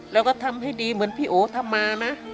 แล้วก็ทำให้ดีเหมือนพี่โอทำมานะ